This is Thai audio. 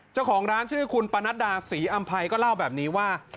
เจ้าของร้านชื่อคุณปนัดดาศรีอำภัยก็เล่าแบบนี้ว่า